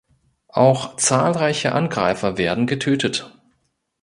Auch zahlreiche Angreifer werden getötet.